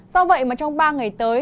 do vậy mà trong ba ngày tới